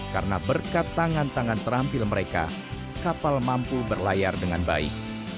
karena berkat tangan tangan terampil mereka kapal mampu berlayar dengan baik